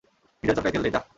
নিজের চরকায় তেল দে, যাহ।